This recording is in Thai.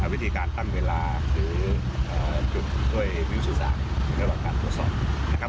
วิธีการตั้งเวลาคือจุดด้วยวิวชุดสามารถในระหว่างการตรวจสอบ